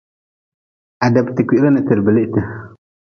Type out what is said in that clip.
Adebte kwihre n teliblite.